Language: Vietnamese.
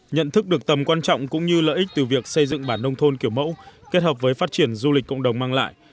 nhận thức được tầm quan trọng cũng như lợi ích từ việc xây dựng bản nông thôn kiểu mẫu kết hợp với phát triển du lịch cộng đồng mang lại